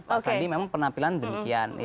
pak sandi memang penampilan demikian